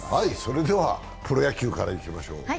プロ野球からいきましょう。